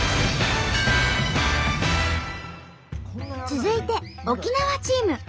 続いて沖縄チーム。